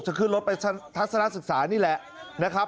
ขึ้นรถไปทัศนศึกษานี่แหละนะครับ